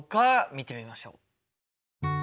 見てみましょう。